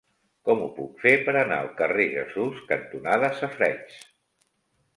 Com ho puc fer per anar al carrer Jesús cantonada Safareigs?